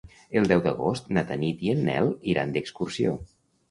El deu d'agost na Tanit i en Nel iran d'excursió.